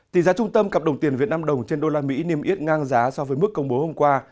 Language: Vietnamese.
tỷ giá trung tâm cặp đồng tiền việt nam đồng trên đô la mỹ niêm yết ngang giá so với mức công bố hôm qua